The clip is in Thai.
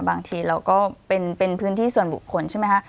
บางทีเราก็เป็นพื้นที่ส่วนบุคคลใช่ไหมคะ